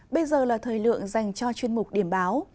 bây giờ là thời lượng dành cho chuyên mục điểm báo